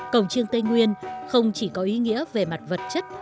cổng chiêng tây nguyên không chỉ có ý nghĩa về mặt vật chất